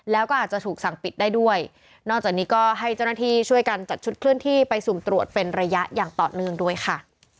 แล้วก็อาจจะถูกสั่งปิดได้ด้วยนอกจากนี้ก็ให้เจ้าหน้าที่ช่วยกันจัดชุดเคลื่อนที่ไปสุ่มตรวจเป็นระยะอย่างต่อเนื่องด้วยค่ะ